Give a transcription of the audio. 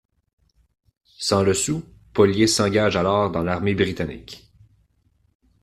Sans le sou, Polier s'engage alors dans l'armée britannique.